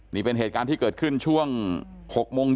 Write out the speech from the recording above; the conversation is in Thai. นี่เป็นเหตุการณ์ที่เกิดขึ้นช่วง๖โมงเย็น